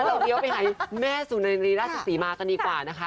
เลี้ยวไปหาแม่สุนัยรีราชศรีมากันดีกว่านะคะ